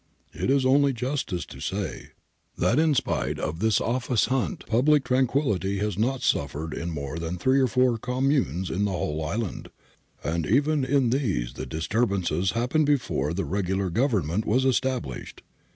... It is only justice to say that m spite of this office hunt public tranquillity has not suffered in more than three or four communes in the whole island, and even in these the disturbances happened before the regular Government was established.